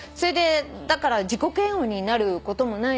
だから自己嫌悪になることもないし。